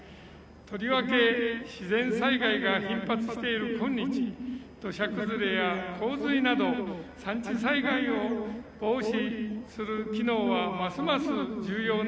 とりわけ自然災害が頻発している今日土砂崩れや洪水など山地災害を防止する機能はますます重要なものとなっております。